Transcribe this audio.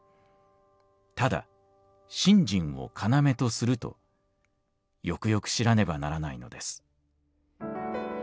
ただ信心を要とするとよくよく知らねばならないのです」。